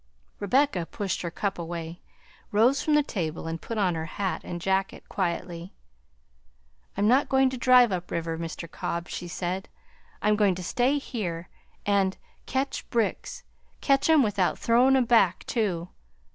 Rebecca pushed her cup away, rose from the table, and put on her hat and jacket quietly. "I'm not going to drive up river, Mr. Cobb," she said. "I'm going to stay here and catch bricks; catch 'em without throwing 'em back, too.